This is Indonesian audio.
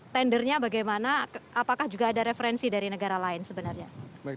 tendernya bagaimana apakah juga ada referensi dari negara lain sebenarnya